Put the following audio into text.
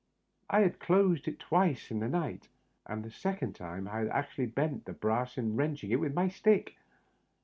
I had closed it twice in the night, and the second time I had actually bent the brass in wrenching it with my stick.